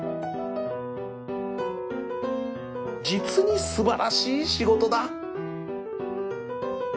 実に素晴らしい仕事だ